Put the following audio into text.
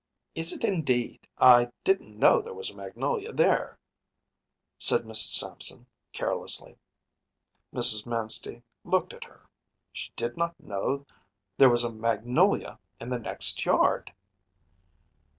“Is it, indeed? I didn’t know there was a magnolia there,‚ÄĚ said Mrs. Sampson, carelessly. Mrs. Manstey looked at her; she did not know that there was a magnolia in the next yard!